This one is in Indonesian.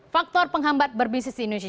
faktor penghambat berbisnis di indonesia